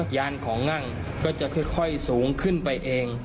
ยานของงั่งก็จะค่อยสูงขึ้นไปเอง